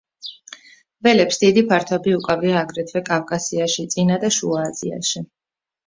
ველებს დიდი ფართობი უკავია აგრეთვე კავკასიაში, წინა და შუა აზიაში.